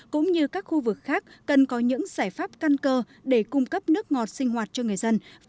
cũng như các khu vực khác cần có những giải pháp căn cơ để cung cấp nước ngọt sinh hoạt cho người dân